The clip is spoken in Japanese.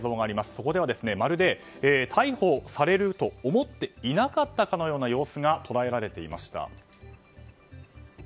そこでは、まるで逮捕されると思っていなかったかのような様子が捉えられていました。